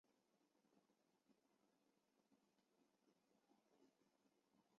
拿撒勒人耶稣是基督教的中心人物。